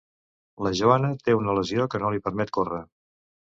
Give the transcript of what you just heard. La Joana té una lesió que no li permet córrer.